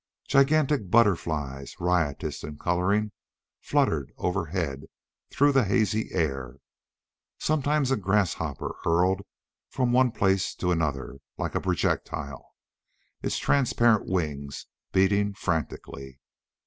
Gigantic butterflies, riotous in coloring, fluttered overhead through the hazy air. Sometimes a grasshopper hurtled from one place to another like a projectile, its transparent wings beating frantically.